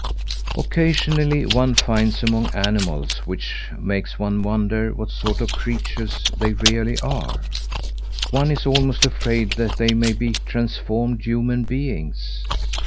Occasionally one finds something among animals which makes one wonder what sort of creatures they really are. One is almost afraid that they may be transformed human beings.